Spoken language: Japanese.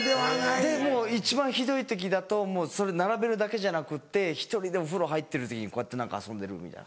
でもう一番ひどい時だとそれ並べるだけじゃなくって１人でお風呂入ってる時にこうやって何か遊んでるみたいな。